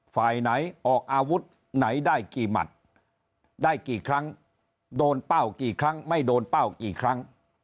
ฝ่ายไหนออกอาวุธไหนได้กี่หมัดได้กี่ครั้งโดนเป้ากี่ครั้งไม่โดนเป้ากี่ครั้ง